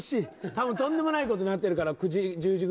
多分とんでもないことになってるから。